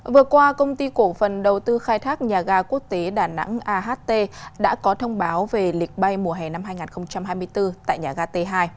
vừa qua công ty cổ phần đầu tư khai thác nhà ga quốc tế đà nẵng aht đã có thông báo về lịch bay mùa hè năm hai nghìn hai mươi bốn tại nhà ga t hai